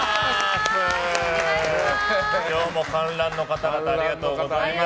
今日も観覧の方々ありがとうございます。